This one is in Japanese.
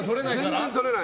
全然とれない。